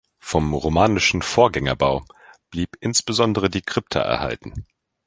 Vom romanischen Vorgängerbau blieb insbesondere die Krypta erhalten.